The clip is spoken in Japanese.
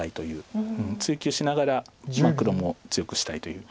追及しながら黒も強くしたいという。